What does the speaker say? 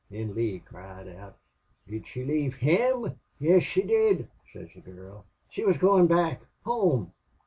"Thin Lee cried out, 'Did she leave HIM?' "'Yes, she did,' sez the gurl. 'She wuz goin' back. Home!